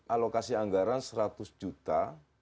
alokasi anggaran seratus juta